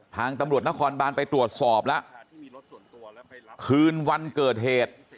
ทางตำรวจนครบานไปตรวจสอบแล้วคืนวันเกิดเหตุ